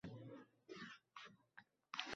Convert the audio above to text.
Hokim muboraklik bitiruvchilarni taqdirladi